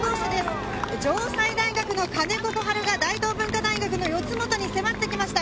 城西大学の兼子心晴が大東文化大学の四元に迫ってきました。